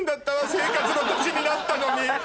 生活の足しになったのに。